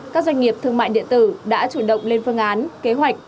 các doanh nghiệp thương mại điện tử đã chủ động lên phương án kế hoạch